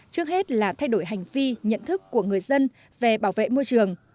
trước hết là thay đổi hành vi nhận thức của người dân về bảo vệ môi trường